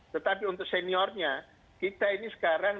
tetapi untuk seniornya kita ini sekarang